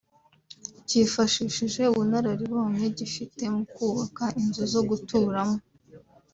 cyifashishije ubunararibonye gifite mu kubaka inzu zo guturamo